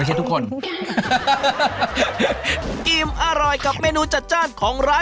และทุกเมนูที่เป็นปลายังไม่เจอความขาว